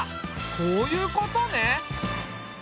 こういうことね。